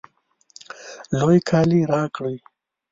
لوی کالی راکړئ